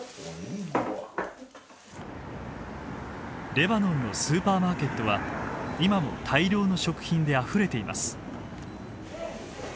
レバノンのスーパーマーケットは今も大量の食品であふれています。